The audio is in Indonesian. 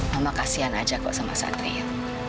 mama kasihan aja kok sama satria